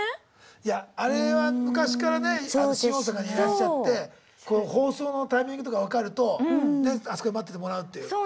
いやあれは昔からね新大阪にいらっしゃって放送のタイミングとか分かるとあそこで待っててもらうっていう。